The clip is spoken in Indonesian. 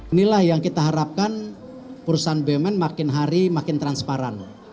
inilah yang kita harapkan perusahaan bumn makin hari makin transparan